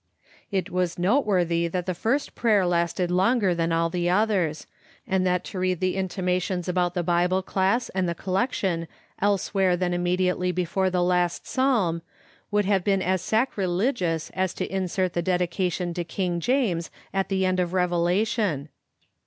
It was noteworthy that the first prayer lasted Digitized by VjOOQ IC Sbe AaMit0 of a AtaiMet* ii longer than all the others, and that to read the intima tions about the Bible class and the collection elsewhere than immediately before the last Psalm would have been as sacrilegious as to insert the dedication to King James at the end of Revelation.